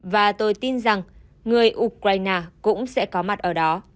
và tôi tin rằng người ukraine cũng sẽ có mặt ở đó